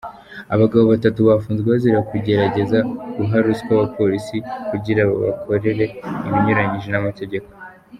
Abagabo batatu bafunzwe bazira kugerageza guha ruswa abapolisi kugira babakorere ibinyuranyije n’amategeko.